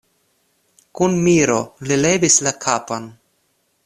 Kun miro li levis la kapon.